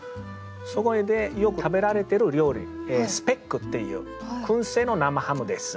そこでよく食べられてる料理スペックっていう燻製の生ハムです。